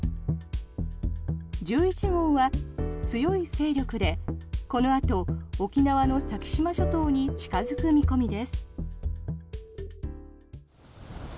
１１号は強い勢力でこのあと沖縄の先島諸島に近付く見込みです。